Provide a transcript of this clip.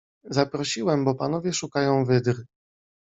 Zaprosiłem, bo panowie szukają wydry.